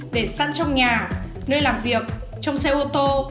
để săn trong nhà nơi làm việc trong xe ô tô